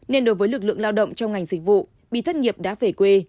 nên đối với lực lượng lao động trong ngành dịch vụ bị thất nghiệp đã về quê